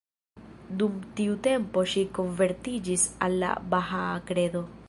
Dum tiu tempo ŝi konvertiĝis al la bahaa kredo.